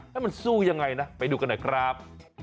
ให้มันสู้ยังไงนะไปดูกันหน่อยครับ